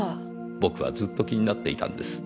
僕はずっと気になっていたんです。